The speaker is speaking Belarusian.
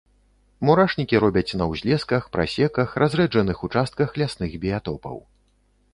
Мурашнікі робяць на ўзлесках, прасеках, разрэджаных участках лясных біятопаў.